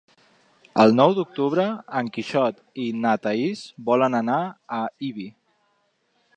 El nou d'octubre en Quixot i na Thaís volen anar a Ibi.